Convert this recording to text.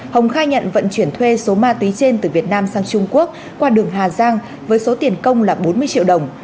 hồng khai nhận vận chuyển thuê số ma túy trên từ việt nam sang trung quốc qua đường hà giang với số tiền công là bốn mươi triệu đồng